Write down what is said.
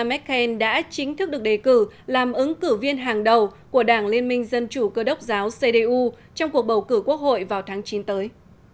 merkel đã chính thức được đề cử làm ứng cử viên hàng đầu của đảng liên minh dân chủ cơ đốc giáo cdu trong cuộc bầu cử quốc hội vào tháng chín tới